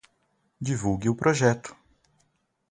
Divulgue o projeto!